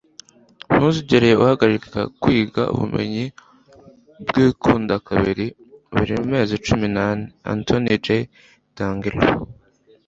ntuzigere uhagarika kwiga; ubumenyi bwikuba kabiri buri mezi cumi n'ane. - anthony j. d'angelo